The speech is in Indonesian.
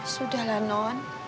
sudah lah non